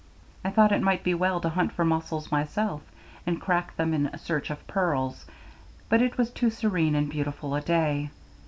I thought it might be well to hunt for mussels myself, and crack them in search of pearls, but it was too serene and beautiful a day.